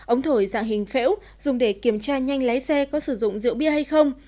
ống thổi dạng hình phễu dùng để kiểm tra nhanh lái xe có sử dụng rượu bia hay không